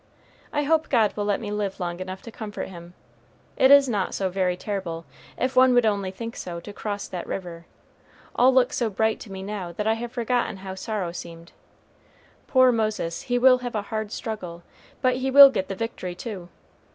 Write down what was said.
I hope God will let me live long enough to comfort him. It is not so very terrible, if one would only think so, to cross that river. All looks so bright to me now that I have forgotten how sorrow seemed. Poor Moses! he will have a hard struggle, but he will get the victory, too.